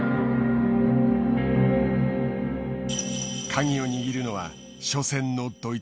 カギを握るのは初戦のドイツ戦。